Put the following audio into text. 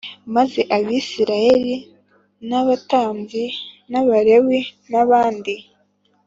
Maze abisirayeli n abatambyi n abalewi n abandi